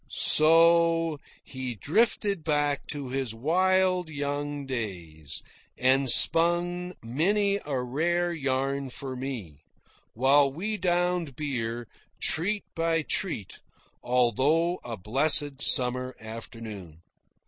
So he drifted back to his wild young days, and spun many a rare yarn for me, while we downed beer, treat by treat, all through a blessed summer afternoon.